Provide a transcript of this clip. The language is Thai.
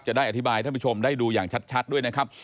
จะได้อธิบายท่านผู้ชมได้ดูอย่างชัดด้วยนะครับ